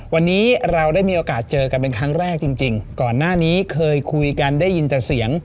วันนี้เราได้มีโอกาสเจอกันเป็นครั้งแรกจริงก่อนหน้านี้เคยคุยกันได้ยินแต่เสียง